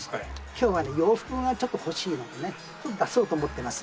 今日は洋服がちょっと欲しいのでね出そうと思ってます。